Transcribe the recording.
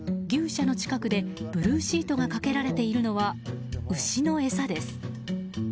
牛舎の近くでブルーシートがかけられているのは牛の餌です。